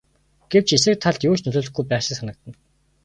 Гэвч эсрэг талд юу ч нөлөөлөхгүй байх шиг санагдана.